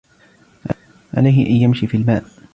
عليه أن يمشي في الماء.